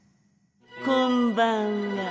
こんばんは。